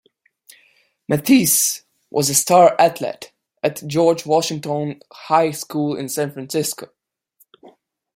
Mathis was a star athlete at George Washington High School in San Francisco.